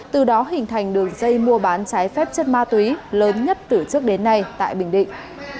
từ đó hình thành đường dây mua bán trái phép chất ma túy lớn nhất từ trước đến nay tại bình định